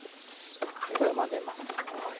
これを混ぜます。